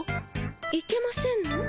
いけませんの？